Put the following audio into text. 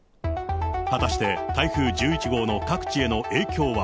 果たして台風１１号の各地への影響は。